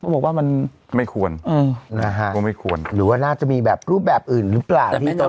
บอกว่ามันไม่ควรอืมนะฮะก็ไม่ควรหรือว่าน่าจะมีแบบรูปแบบอื่นหรือเปล่าที่จะ